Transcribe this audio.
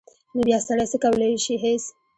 نو بیا سړی څه کولی شي هېڅ.